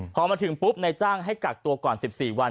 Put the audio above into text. พอมาถึงปุ๊บนายจ้างให้กักตัวก่อน๑๔วัน